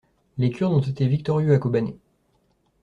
Les Kurdes ont été victorieux à Kobané.